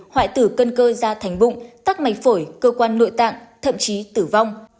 hoại tử cân cơ ra thành bụng tắc mạch phổi cơ quan nội tạng thậm chí tử vong